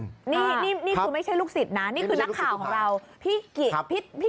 นี่นี่คือไม่ใช่ลูกศิษย์นะนี่คือนักข่าวของเรา